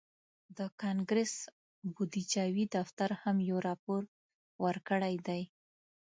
د کانګرس بودیجوي دفتر هم یو راپور ورکړی دی